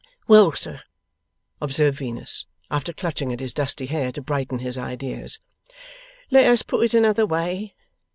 Well, sir,' observed Venus, after clutching at his dusty hair, to brighten his ideas, 'let us put it another way.